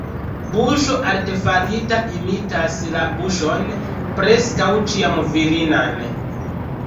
Buŝo artefarita imitas la buŝon, preskaŭ ĉiam virinan.